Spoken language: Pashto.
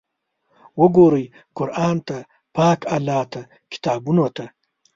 وګورئ قرآن ته، پاک الله ته، کتابونو ته!